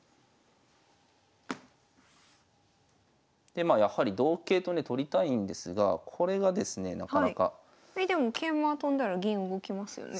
でまあやはり同桂とね取りたいんですがこれがですねなかなか。えでも桂馬が跳んだら銀動きますよね。